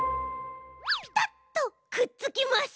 ピタッとくっつきます。